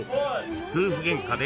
［夫婦ゲンカで誕生。